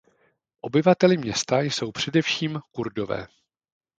Obyvateli města jsou především Kurdové.